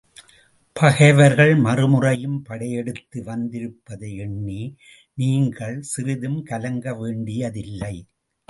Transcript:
பகைவர்கள் மறுமுறையும் படையெடுத்து வந்திருப்பதை எண்ணி நீங்கள் சிறிதும் கலங்க வேண்டியதில்லை.